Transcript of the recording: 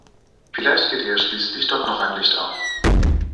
Vielleicht geht ihr ja schließlich doch noch ein Licht auf.